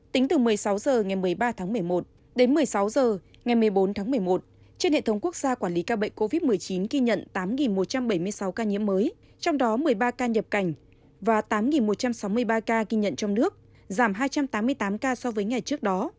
tính từ một mươi sáu h ngày một mươi ba tháng một mươi một đến một mươi sáu h ngày một mươi bốn tháng một mươi một trên hệ thống quốc gia quản lý ca bệnh covid một mươi chín ghi nhận tám một trăm bảy mươi sáu ca nhiễm mới trong đó một mươi ba ca nhập cảnh và tám một trăm sáu mươi ba ca ghi nhận trong nước giảm hai trăm tám mươi tám ca so với ngày trước đó